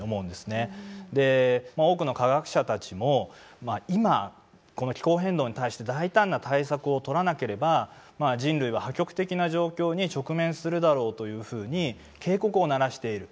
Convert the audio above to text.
多くの科学者たちも今この気候変動に対して大胆な対策を取らなければ人類は破局的な状況に直面するだろうというふうに警告を鳴らしている。